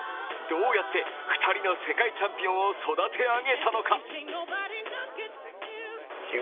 どうやって２人の世界チャンピオンを育て上げたのか。